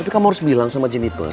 tapi kamu harus bilang sama jennieper